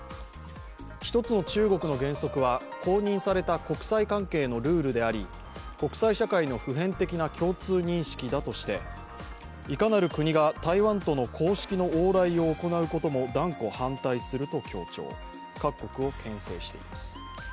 一つの中国の原則は公認された国際関係のルールであり国際社会の普遍的な共通認識だとしていかなる国が台湾との公式の往来を行うことも断固反対すると強調、各国をけん制しています。